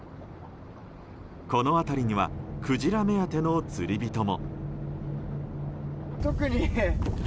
この辺りにはクジラ目当ての釣り人も。